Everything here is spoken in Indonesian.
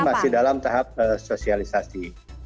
masih dalam tahap sosialisasi